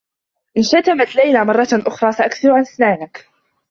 إن شتمت ليلى مرّة أخرى، سأكسر أسنانك.